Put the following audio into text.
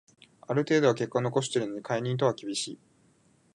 ある程度は結果残してるのに解任とは厳しい